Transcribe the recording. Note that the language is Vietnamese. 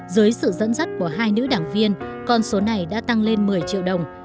dưới sự dẫn dắt của hai nữ đảng viên con số này đã tăng lên một mươi triệu đồng